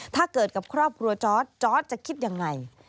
ถ้าเกิดกับครอบครัวจอร์ดจอร์ดจะคิดยังไง